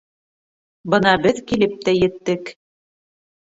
— Бына беҙ килеп тә еттек.